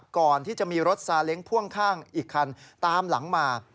ก่อนที่จะมีรถซาเล้งพ่วงข้างอีกคันตามหลังมา